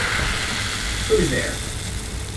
Who’s there?